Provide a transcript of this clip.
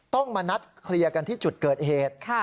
ต้องมานัดเคลียร์กันที่จุดเกิดเหตุ